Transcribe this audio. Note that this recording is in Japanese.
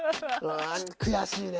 悔しいね。